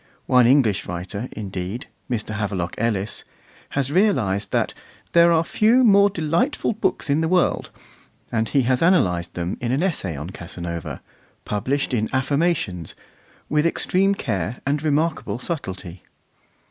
One English writer, indeed, Mr. Havelock Ellis, has realised that 'there are few more delightful books in the world,' and he has analysed them in an essay on Casanova, published in Affirmations, with extreme care and remarkable subtlety.